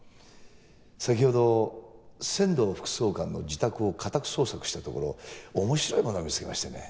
先ほど千堂副総監の自宅を家宅捜索したところ面白いものを見つけましてね。